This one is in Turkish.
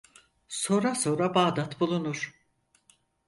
Sora sora Bağdat bulunur.